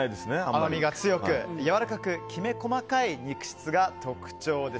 甘みが強く、やわらかくきめ細かい肉質が特徴です。